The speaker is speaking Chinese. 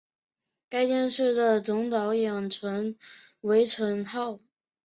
该电视剧的总导演为成浩。